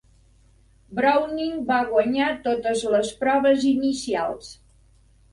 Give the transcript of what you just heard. Browning va guanyar totes les proves inicials.